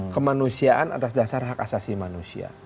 kemanusiaan atas dasar hak asasi manusia